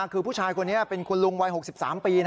คือผู้ชายคนนี้เป็นคุณลุงวัย๖๓ปี